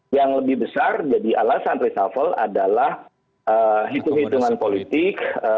yang lebih besar jadi alasan reshuffle adalah hitung hitungan politik